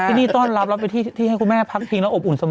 ที่นี่ต้อนรับแล้วเป็นที่ให้คุณแม่พักพิงแล้วอบอุ่นสม